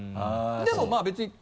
でもまぁ別に。